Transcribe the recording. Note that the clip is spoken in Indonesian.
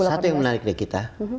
satu yang menarik dari kita